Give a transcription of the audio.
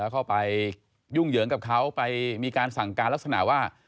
เข้าไปยุ่งเหยิงกับเขาไปมีการสั่งการลักษณะว่า